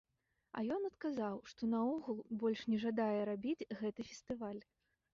А ён адказаў, што наогул больш не жадае рабіць гэты фестываль.